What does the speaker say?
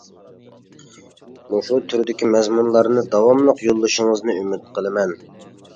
مۇشۇ تۈردىكى مەزمۇنلارنى داۋاملىق يوللىشىڭىزنى ئۈمىد قىلىمەن.